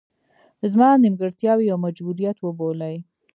زما نیمګړتیاوې یو مجبوریت وبولي.